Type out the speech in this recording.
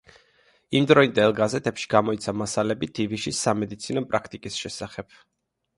იმდროინდელ გაზეთებში გამოიცა მასალები დივიშის სამედიცინო პრაქტიკის შესახებ.